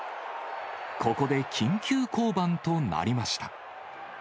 ここで緊急降板となりました。